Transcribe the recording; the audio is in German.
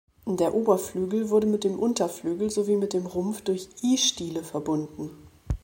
Der Oberflügel wurde mit dem Unterflügel sowie mit dem Rumpf durch I-Stiele verbunden.